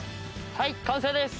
はい完成です！